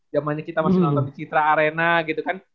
jamannya kita masih nonton di citra arena gitu kan